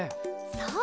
そう。